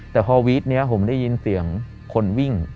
แต่พอวีดนี้ผมได้ยินเสียงคนวิ่ง